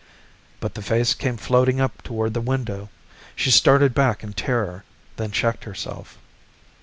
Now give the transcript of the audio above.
But the face came floating up toward the window. She started back in terror, then checked herself.